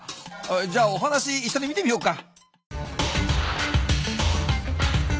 じゃあお話いっしょに見てみようか。